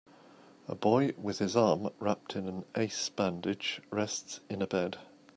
A boy with his arm wrapped in an ACE bandage rests in a bed.